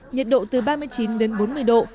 nhiệt độ từ ba mươi chín đến bốn mươi độ